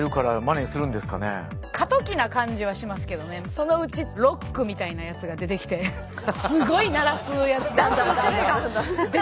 そのうちロックみたいなやつが出てきてすごい鳴らすやつとかが出てくるっていう。